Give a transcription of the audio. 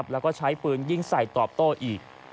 แล้วก็ใช้ปืนยิงใส่ตอบโต้อีก